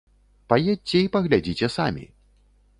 Паедзьце і паглядзіце самі.